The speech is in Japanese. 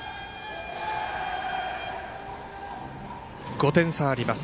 ５点差あります。